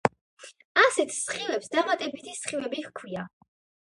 ასეთ სხივებს დამატებითი სხივები ჰქვია.